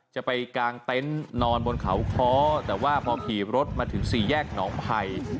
ไปกางเต็นต์นอนบนเขาค้อแต่ว่าพอขี่รถมาถึงสี่แยกหนองไผ่